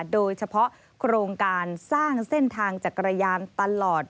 โดยเฉพาะโครงการสร้างเส้นทางจักรยานตลอด